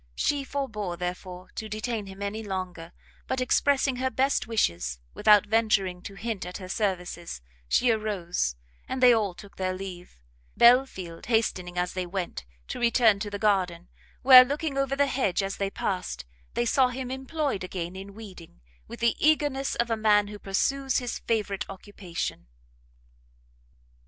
She forbore, therefore, to detain him any longer, but expressing her best wishes, without venturing to hint at her services, she arose, and they all took their leave; Belfield hastening, as they went, to return to the garden, where, looking over the hedge as they passed, they saw him employed again in weeding, with the eagerness of a man who pursues his favourite occupation.